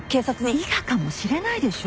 伊賀かもしれないでしょ。